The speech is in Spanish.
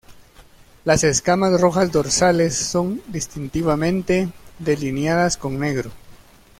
Las escamas rojas dorsales son distintivamente delineadas con negro.